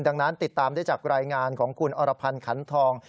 ดังนั้นติดตามได้จากรายงานของคุณอรพันธ์ขันทอง